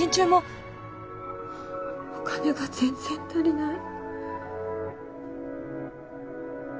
お金が全然足りない。